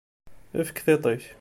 Efk tiṭ-ik!